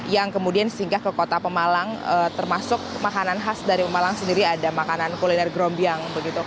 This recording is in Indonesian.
yang kemudian singgah ke kota pemalang termasuk makanan khas dari pemalang sendiri ada makanan kuliner grombiang